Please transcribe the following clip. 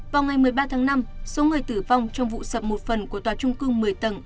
vào ngày một mươi ba tháng năm số người tử vong trong vụ sập một phần của tòa trung cư một mươi tầng